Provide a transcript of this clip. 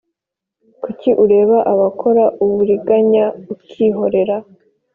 kuki ureba abakora uburiganya ukihorera,